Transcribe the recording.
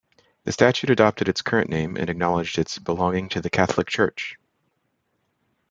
The statute adopted its current name and acknowledged its "belonging to the Catholic Church".